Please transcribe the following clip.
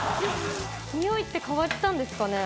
匂いって変わったんですかね？